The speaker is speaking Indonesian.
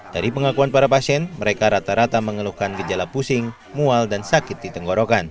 dari pengakuan para pasien mereka rata rata mengeluhkan gejala pusing mual dan sakit di tenggorokan